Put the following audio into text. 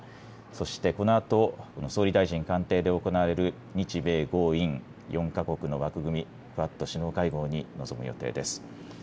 そしてこのあと、総理大臣官邸で行われる日米豪印４か国の枠組み、クアッド首脳会合に臨む予定です。